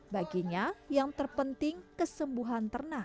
baginya yang terpenting kesembuhan ternak